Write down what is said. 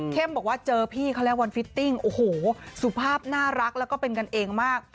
บอกว่าเจอพี่เขาแล้ววันฟิตติ้งโอ้โหสุภาพน่ารักแล้วก็เป็นกันเองมาก